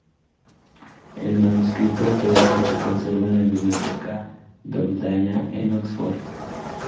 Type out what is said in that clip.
El manuscrito autógrafo se conserva en la Biblioteca Bodleiana, en Oxford.